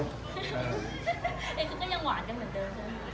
ก็ยังหวานกันเหมือนเดิมใช่มั้ย